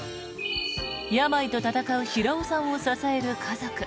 病と闘う平尾さんを支える家族。